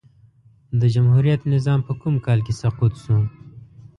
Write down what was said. د جمهوريت نظام په کوم کال کی سقوط سو؟